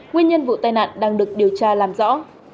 nguyên nhân vụ tai nạn đang được điều tra làm rõ